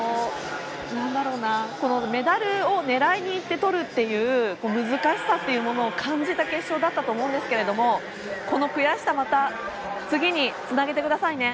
メダルを狙いにいってとるという難しさというものを感じた決勝だったと思うんですけどこの悔しさをまた次につなげてくださいね。